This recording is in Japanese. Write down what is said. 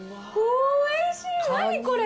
おいしい何これ？